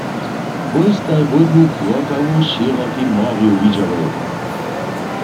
Wój staj wódnu krokawu w šěrokim morju widźałoj.